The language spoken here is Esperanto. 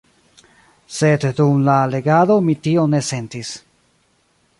Sed dum la legado mi tion ne sentis.